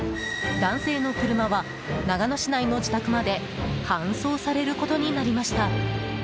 男性の車は、長野市内の自宅まで搬送されることになりました。